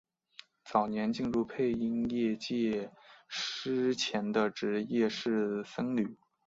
早年进入配音业界之前的职业是僧侣。